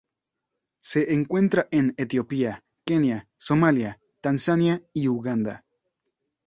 Se encuentra en Etiopía, Kenia, Somalia, Tanzania y Uganda.